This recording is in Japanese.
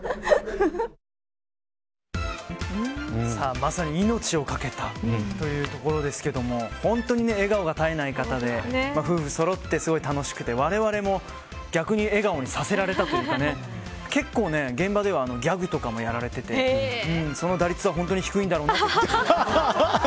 まさに命を懸けたというところですけど本当に笑顔が絶えない方で夫婦そろって楽しくてわれわれも逆に笑顔にさせられたというか結構、現場ではギャグとかもやられていてその打率はほんとに低いだろうなと。